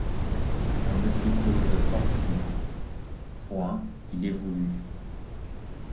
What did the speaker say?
On le suppose fortuit ; point : il est voulu.